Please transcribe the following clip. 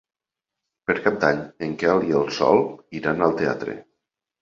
Per Cap d'Any en Quel i en Sol iran al teatre.